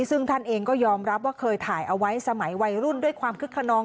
ซึ่งท่านเองก็ยอมรับว่าเคยถ่ายเอาไว้สมัยวัยรุ่นด้วยความคึกขนอง